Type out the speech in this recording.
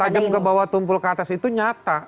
tajam ke bawah tumpul ke atas itu nyata